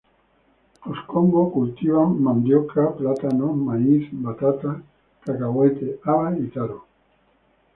Los Kongo cultivan mandioca, plátanos, maíz, batata, cacahuetes, habas, y taro.